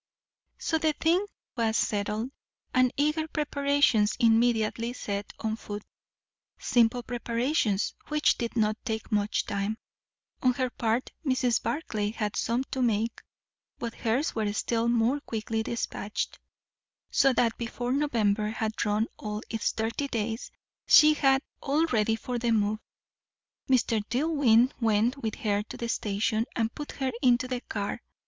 So the thing was settled, and eager preparations immediately set on foot. Simple preparations, which did not take much time. On her part Mrs. Barclay had some to make, but hers were still more quickly despatched; so that before November had run all its thirty days, she had all ready for the move. Mr. Dillwyn went with her to the station and put her into the car.